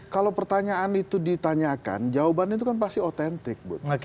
kalau pertanyaan itu ditanyakan jawabannya itu kan pasti otentik